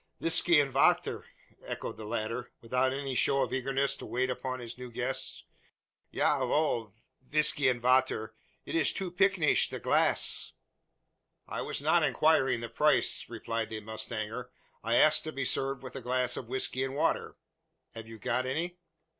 "Visky und vachter!" echoed the latter, without any show of eagerness to wait upon his new guest. "Ya, woe, visky und vachter! It ish two picayunsh the glass." "I was not inquiring the price," replied the mustanger, "I asked to be served with a glass of whisky and water. Have you got any?"